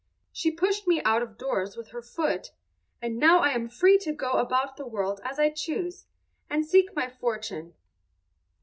She pushed me out of doors with her foot, and now I am free to go about the world as I choose, and seek my fortune."